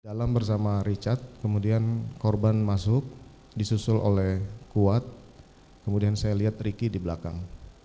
dalam bersama richard kemudian korban masuk disusul oleh kuat kemudian saya lihat ricky di belakang